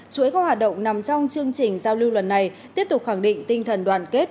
chuỗi các hoạt động nằm trong chương trình giao lưu lần này tiếp tục khẳng định tinh thần đoàn kết